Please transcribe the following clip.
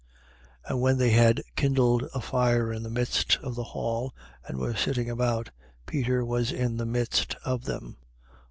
22:55. And when they had kindled a fire in the midst of the hall and were sitting about it, Peter was in the midst of them.